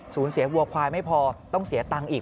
เสียวัวควายไม่พอต้องเสียตังค์อีก